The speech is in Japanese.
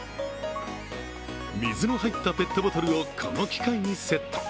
水の入ったペットボトルを、この機械にセット。